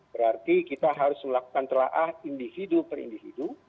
berarti kita harus melakukan telahah individu per individu